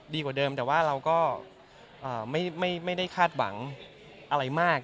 ดีกว่าเดิมแต่ว่าเราก็ไม่ได้คาดหวังอะไรมาก